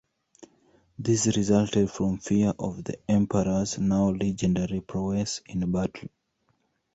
This resulted from fear of the Emperor's now legendary prowess in battle.